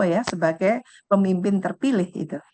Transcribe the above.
karena ini adalah hal yang memang memimpin terpilih itu